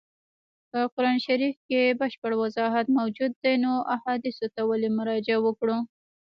په قرآن شریف کي بشپړ وضاحت موجود دی نو احادیثو ته ولي مراجعه وکړو.